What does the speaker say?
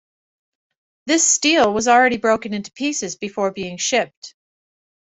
This stele was already broken into pieces before being shipped.